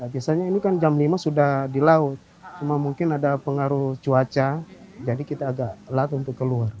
biasanya ini kan jam lima sudah di laut cuma mungkin ada pengaruh cuaca jadi kita agak lat untuk keluar